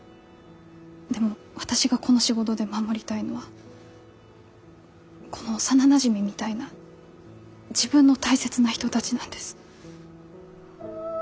でも私がこの仕事で守りたいのはこの幼なじみみたいな自分の大切な人たちなんです。